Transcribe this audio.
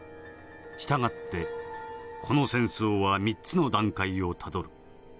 従ってこの戦争は３つの段階をたどる。